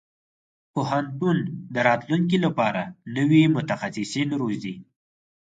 پوهنتون د راتلونکي لپاره نوي متخصصين روزي.